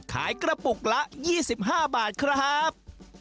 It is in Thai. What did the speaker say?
ขายกระปุกละ๒๕บาทครับ